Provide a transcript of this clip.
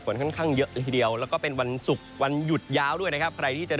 ค่อนข้างเยอะเลยทีเดียวแล้วก็เป็นวันศุกร์วันหยุดยาวด้วยนะครับใครที่จะ